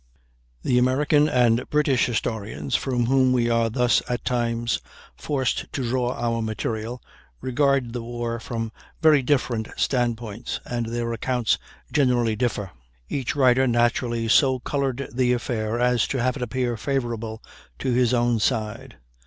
The American and British historians from whom we are thus at times forced to draw our material regard the war from very different stand points, and their accounts generally differ. Each writer naturally so colored the affair as to have it appear favorable to his own side.